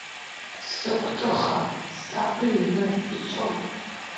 Сыгәҭыха саԥыҩны ицон.